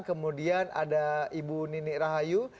kemudian ada ibu nini rahayu